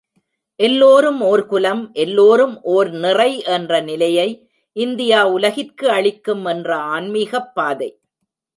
எல்லோரும் ஓர் குலம், எல்லோரும் ஓர் நிறை என்ற நிலையை இந்தியா உலகிற்கு அளிக்கும் என்ற ஆன்மீகப் பாதை.